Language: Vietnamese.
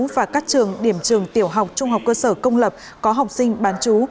và các trường điểm trường tiểu học trung học cơ sở công lập có học sinh bán chú